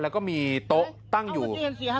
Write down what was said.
แล้วก็มีโต๊ะตั้งอยู่